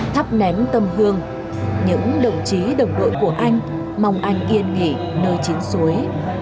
thắp ném tâm hương những đồng chí đồng đội của anh mong anh yên nghỉ nơi chiến suối